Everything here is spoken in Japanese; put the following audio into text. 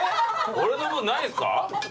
俺の分ないんすか？